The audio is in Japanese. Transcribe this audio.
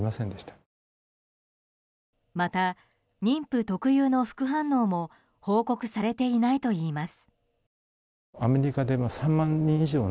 また、妊婦特有の副反応も報告されていないといいます。